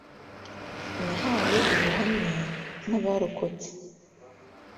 Nahawe ubuhamya n'abarokotse